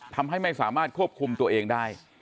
ทำให้ไม่สามารถควบคุมตัวเองได้